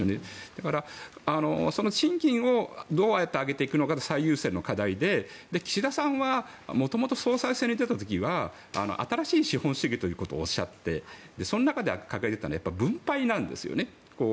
だから、賃金をどうやって上げていくのかというのは最優先の課題で岸田さんは元々総裁選に出た時は新しい資本主義ということをおっしゃってその中で掲げていたのは分配なんですよね。